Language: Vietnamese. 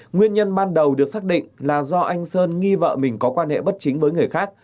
nguyên nhân ban đầu được xác định là do anh sơn nghi vợ mình có quan hệ bất chính với người khác